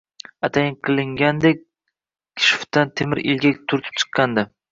Atayin qilingandek, shiftdan temir ilgak turtib chiqqandi